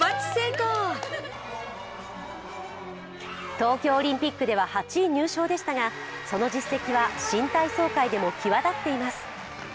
東京オリンピックでは８位入賞でしたがその実績は新体操界でも際立っています。